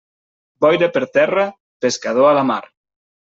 Boira per terra, pescador a la mar.